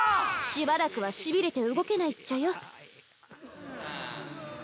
しばらくはしびれて動けないっちゃよ。